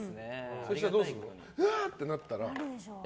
そしたらどうするの？わー！ってなったら。